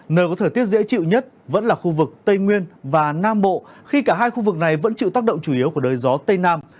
nơi có thời tiết dễ chịu nhất vẫn là khu vực tây nguyên và nam bộ khi cả hai khu vực này vẫn chịu tác động chủ yếu của đới gió tây nam